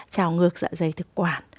trào ngược dạ dày thực quản